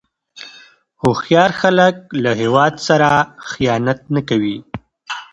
هوښیار خلک له هیواد سره خیانت نه کوي.